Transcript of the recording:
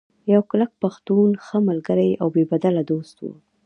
يو کلک پښتون ، ښۀ ملګرے او بې بدله دوست وو